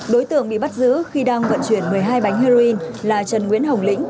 đối tượng bị bắt giữ khi đang vận chuyển một mươi hai bánh heroin là trần nguyễn hồng lĩnh